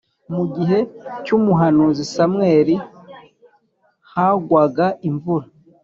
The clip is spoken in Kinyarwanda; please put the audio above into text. mu gihe cy umuhanuzi Samweli hagwaga imvura